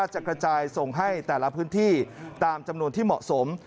จะกระจายส่งให้แต่ละพื้นที่ตามจำนวนที่เหมาะสม